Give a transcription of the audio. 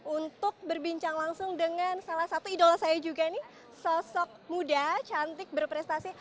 untuk berbincang langsung dengan salah satu idola saya juga nih sosok muda cantik berprestasi